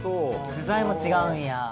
具材も違うんや。